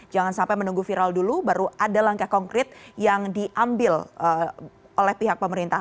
jangan sampai menunggu viral dulu baru ada langkah konkret yang diambil oleh pihak pemerintah